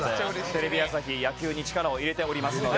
テレビ朝日野球に力を入れておりますので。